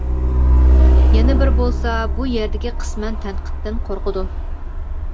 يەنە بىر بولسا بۇ يەردىكى قىسمەن تەنقىدتىن قورقىدۇ.